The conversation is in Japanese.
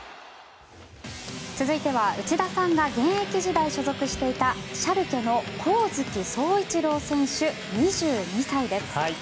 続いては内田さんが現役当時、所属していたシャルケの上月壮一郎選手２２歳です。